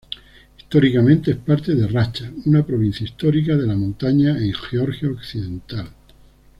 Históricamente es parte de Racha, una provincia histórica de la montaña en Georgia occidental.